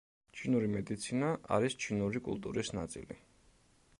ჩინური მედიცინა არის ჩინური კულტურის ნაწილი.